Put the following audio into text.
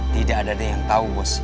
tidak ada yang tahu bos